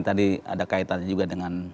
tadi ada kaitannya juga dengan